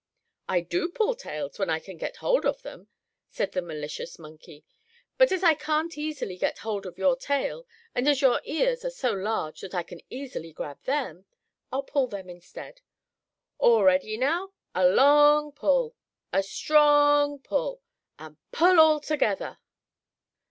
"I do pull tails when I can get hold of them," said the malicious monkey. "But as I can't easily get hold of your tail, and as your ears are so large that I can easily grab them, I'll pull them instead. All ready now, a long pull, a strong pull and a pull altogether!"